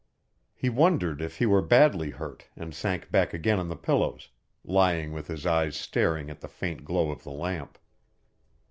He wondered if he were badly hurt and sank back again on the pillows, lying with his eyes staring at the faint glow of the lamp.